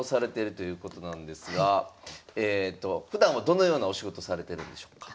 ふだんはどのようなお仕事されてるんでしょうか？